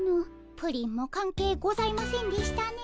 プリンも関係ございませんでしたね。